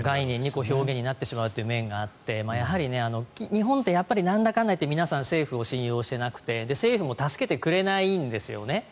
表現になってしまうという面があってやはり、日本って皆さん、政府を信用してなくて政府も助けてくれないんですよね。